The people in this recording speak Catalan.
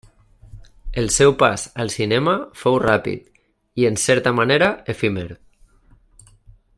El seu pas al cinema fou ràpid i, en certa manera efímer.